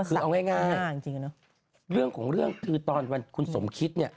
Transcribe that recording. นะเอาไว้ง่ายจริงเนอะเรื่องของเรื่องคือตอนวันคุณสมคิดเนี้ย